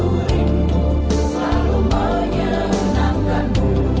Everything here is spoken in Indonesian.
aku rindu selalu menyenangkanku